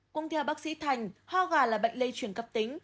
cùng theo bác sĩ thành hoa gà là bệnh lây chuyển cấp tính